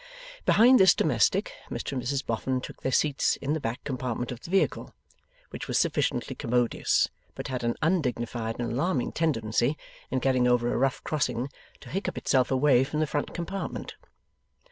Behind this domestic, Mr and Mrs Boffin took their seats in the back compartment of the vehicle: which was sufficiently commodious, but had an undignified and alarming tendency, in getting over a rough crossing, to hiccup itself away from the front compartment.